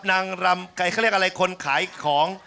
เขาเรียกอะไรคนขายของ